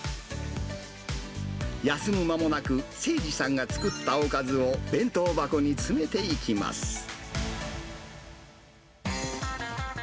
休む間もなく、清二さんが作ったおかずを弁当箱に詰めていきます。